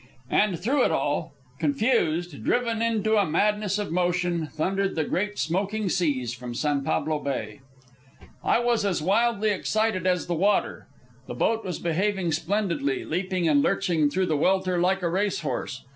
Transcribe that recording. And through it all, confused, driven into a madness of motion, thundered the great smoking seas from San Pablo Bay. I was as wildly excited as the water. The boat was behaving splendidly, leaping and lurching through the welter like a race horse.